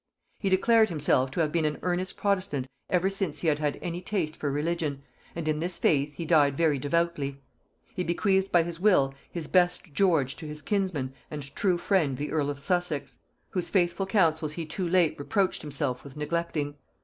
He declared himself to have been an earnest protestant ever since he had had any taste for religion, and in this faith he died very devoutly. He bequeathed by his will his best George to his kinsman and true friend the earl of Sussex, whose faithful counsels he too late reproached himself with neglecting.